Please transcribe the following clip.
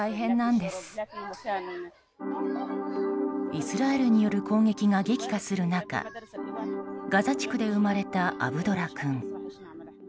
イスラエルによる攻撃が激化する中ガザ地区で生まれたアブドラ君。